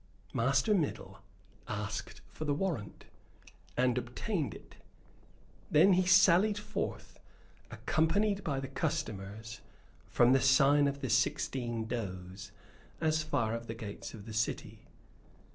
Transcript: Master Middle asked for the warrant, and obtained it. Then he sallied forth, accompanied by the customers from the "Sign of the Sixteen Does" as far as the gates of the city.